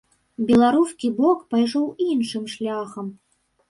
Беларускі бок пайшоў іншым шляхам.